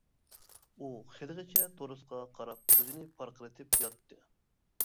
ئۇ خېلىغىچە تورۇسقا قاراپ كۆزىنى پارقىرىتىپ ياتتى.